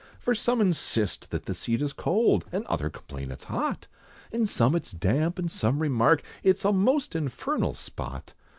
For some insist that the seat is cold! And others complain it's hot! And some it's damp, and some remark, It's a most infernal spot!